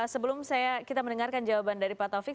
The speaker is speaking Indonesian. sebelum kita mendengarkan jawaban dari pak taufik